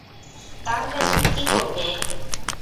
তাহলে, এখন কী করবে?